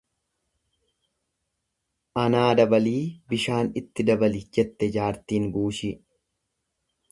Anaa dabalii bishaan itti dabali jette jaartiin guushii.